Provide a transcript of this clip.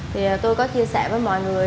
thì tôi có chia sẻ với mọi người